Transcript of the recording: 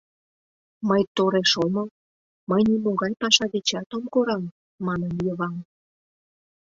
Мый тореш омыл, мый нимогай паша дечат ом кораҥ, — манын Йыван.